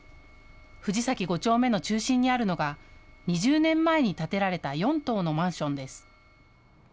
藤崎５丁目の中心にあるのが２０年前に建てられた４棟のマンションです。